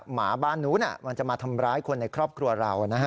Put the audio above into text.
หมาบ้านนู้นมันจะมาทำร้ายคนในครอบครัวเรานะฮะ